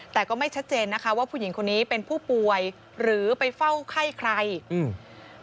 แต่ก็ไม่ชัดเจนนะคะว่าผู้หญิงคนนี้เป็นผู้ป่วยหรือไปเฝ้าไข้ใครอืม